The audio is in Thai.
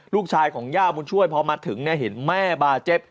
ลูกชายของย่าบุญช่วยพอมาถึงเห็นแม่บาดเจ็บ